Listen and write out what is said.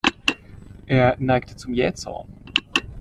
Er neigte zum Jähzorn.